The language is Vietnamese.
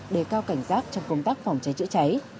để cao cảnh giác trong công tác phòng cháy chữa cháy